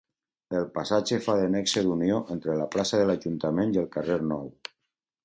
El passatge fa de nexe d'unió entre la plaça de l'Ajuntament i el carrer Nou.